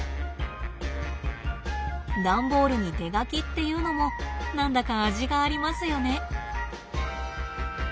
段ボールに手書きっていうのも何だか味がありますよね。